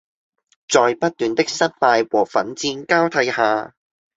在不斷的失敗和奮戰交替下